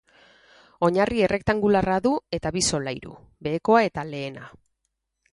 Oinarri errektangularra du eta bi solairu, behekoa eta lehena.